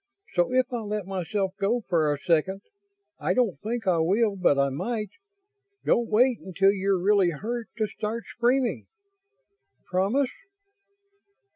So if I let myself go for a second I don't think I will, but I might don't wait until you're really hurt to start screaming. Promise?"